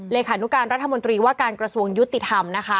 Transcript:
ขานุการรัฐมนตรีว่าการกระทรวงยุติธรรมนะคะ